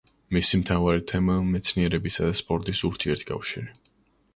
მისი მთავარი თემაა მეცნიერებისა და სპორტის ურთიერთკავშირი.